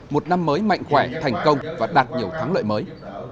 một năm mới mạnh khỏe thành công và đạt nhiều thắng lợi mới